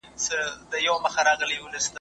د دوکتورا برنامه په خپلواکه توګه نه اداره کیږي.